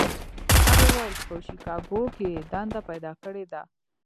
هغه وویل په شیکاګو کې یې دنده پیدا کړې ده.